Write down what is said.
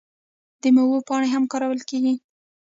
د میوو پاڼې هم کارول کیږي.